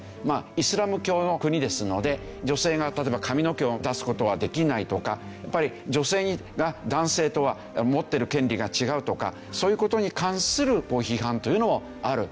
イスラム教の国ですので女性が例えば髪の毛を出す事はできないとか女性が男性とは持ってる権利が違うとかそういう事に関する批判というのもある。